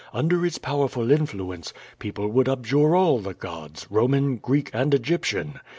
Under its powerful influence, people would abjure all the gods, Roman, Greek, and Egyptian.